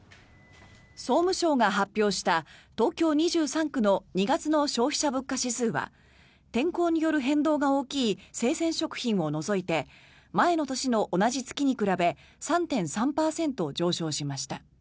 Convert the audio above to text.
総務省が発表した東京２３区の２月の消費者物価指数は天候による変動が大きい生鮮食品を除いて前の年の同じ月に比べ３．３％上昇しました。